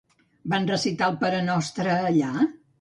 Van recitar el parenostre allà?